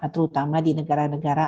terutama di negara negara